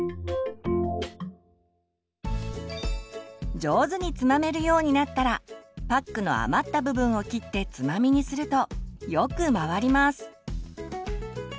上手につまめるようになったらパックの余った部分を切ってつまみにするとよく回ります。